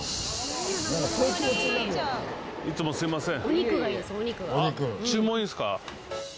いつもすみません。